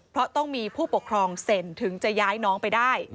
เพราะต้องมีผู้ปกครองเซ็นถึงจะย้ายน้องไปได้